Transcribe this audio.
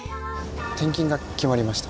転勤が決まりました。